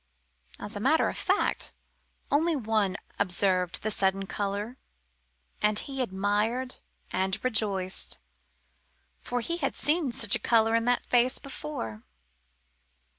As a matter of fact, only one observed the sudden colour, and he admired and rejoiced, for he had seen such a colour in that face before.